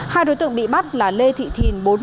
hai đối tượng bị bắt là lê thị thìn